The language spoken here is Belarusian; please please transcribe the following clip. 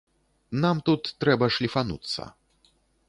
Нам тут трэба шліфануцца.